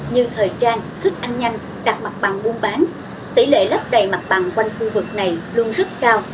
như thời trang thức ăn nhanh đặt mặt bằng buôn bán tỷ lệ lấp đầy mặt bằng quanh khu vực này luôn rất cao